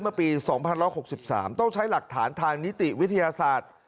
เมื่อปีสองพันร้อยหกสิบสามต้องใช้หลักฐานทางนิติวิทยาศาสตร์